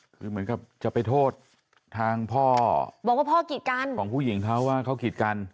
คือเหมือนกับจะไปโทษทางพ่อบอกว่าพ่อกีดกันของผู้หญิงเขาว่าเขากีดกัน